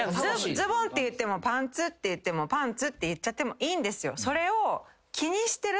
ズボンって言ってもパンツって言ってもパンツって言っちゃってもいいんですよ。